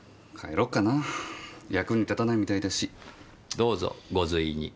どうぞご随意に。